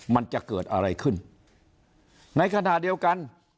มันจะเกิดอะไรขึ้นในขณะเดียวกัน